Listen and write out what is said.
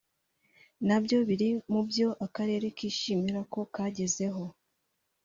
nabyo biri mu byo Akarere kishimira ko kagezeho